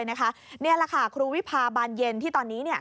นี่แหละค่ะครูวิพาบานเย็นที่ตอนนี้